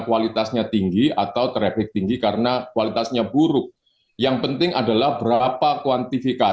kualitasnya tinggi atau traffic tinggi karena kualitasnya buruk karena kualitasnya tinggi karena kualitasnya buruk yang berbalik kehilangan alpha danienieng pada sampah satu brilliant travel mitra